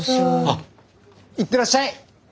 あっ行ってらっしゃい！